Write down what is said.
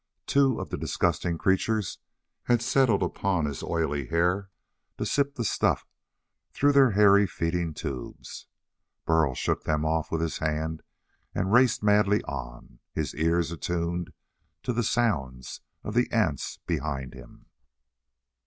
Two of the disgusting creatures had settled upon his oily hair to sip the stuff through their hairy feeding tubes. Burl shook them off with his hand and raced madly on, his ears attuned to the sounds of the ants behind him.